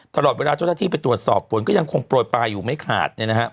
ตลอดเวลาเจ้าหน้าที่ไปตรวจสอบฝนก็ยังคงโปรยปลายอยู่ไม่ขาด